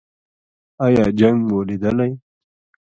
ایا جنګ مو لیدلی؟